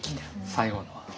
最後のは。